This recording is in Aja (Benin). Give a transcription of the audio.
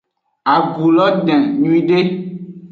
Agu lo den nyuiede.